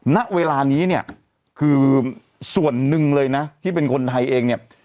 ณเวลานี้เนี่ยคือส่วนหนึ่งเลยนะที่เป็นคนไทยเองเนี่ย